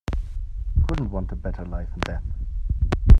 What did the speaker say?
Couldn't want a better life and death.